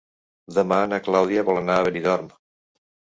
Demà na Clàudia vol anar a Benidorm.